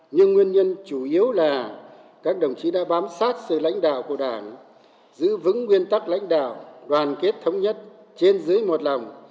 nhưng nguyên nhân chủ yếu là các đồng chí đã bám sát sự lãnh đạo của đảng giữ vững nguyên tắc lãnh đạo đoàn kết thống nhất trên dưới một lòng